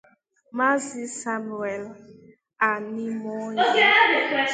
Maazị Samuel Anịmonye